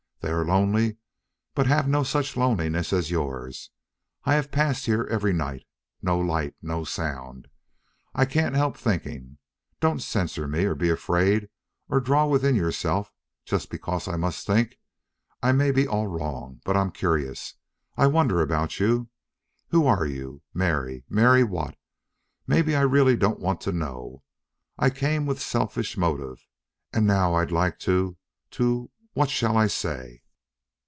They are lonely, but have not such loneliness as yours. I have passed here every night. No light no sound. I can't help thinking. Don't censure me or be afraid or draw within yourself just because I must think. I may be all wrong. But I'm curious. I wonder about you. Who are you? Mary Mary what? Maybe I really don't want to know. I came with selfish motive and now I'd like to to what shall I say?